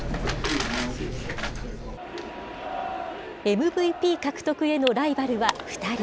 ＭＶＰ獲得へのライバルは２人。